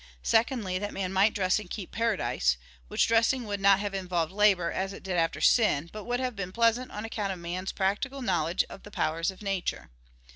Secondly, that man might dress and keep paradise, which dressing would not have involved labor, as it did after sin; but would have been pleasant on account of man's practical knowledge of the powers of nature.